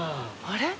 あれ？